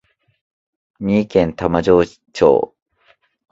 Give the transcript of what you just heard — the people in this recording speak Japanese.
三重県玉城町